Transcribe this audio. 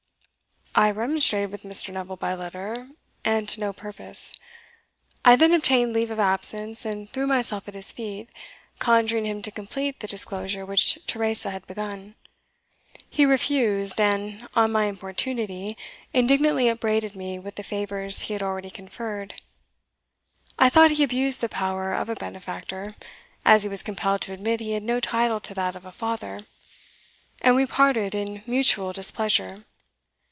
"I remonstrated with Mr. Neville by letter, and to no purpose. I then obtained leave of absence, and threw myself at his feet, conjuring him to complete the disclosure which Teresa had begun. He refused, and, on my importunity, indignantly upbraided me with the favours he had already conferred. I thought he abused the power of a benefactor, as he was compelled to admit he had no title to that of a father, and we parted in mutual displeasure.